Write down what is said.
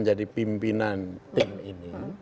jadi pimpinan tim ini